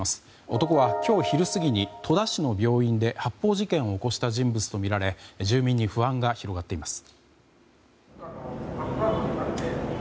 男は今日昼過ぎに戸田市の病院で発砲事件を起こした人物とみられ住民に不安が広がっています。